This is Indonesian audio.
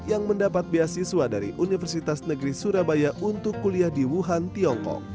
yang mendapat beasiswa dari universitas negeri surabaya untuk kuliah di wuhan tiongkok